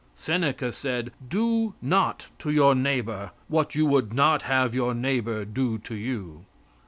Seneca said: "Do not to your neighbor what you would not have your neighbor do to you."